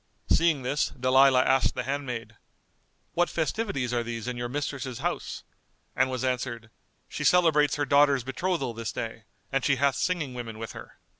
Seeing this, Dalilah asked the handmaid, "What festivities are these in your mistress's house;" and was answered "She celebrates her daughter's betrothal this day, and she hath singing women with her."